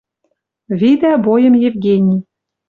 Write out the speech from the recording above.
Видӓ бойым Евгений.